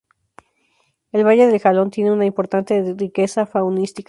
El valle del Jalón tiene una importante riqueza faunística.